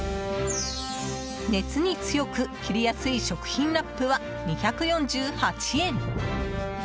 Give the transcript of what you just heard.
熱に強く切りやすい食品ラップは２４８円。